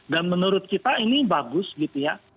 dan menurut kita ini bagus gitu ya